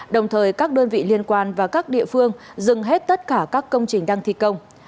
đồng thời các đơn vị liên quan và các địa phương dừng hết tất cả các công trình đang thi công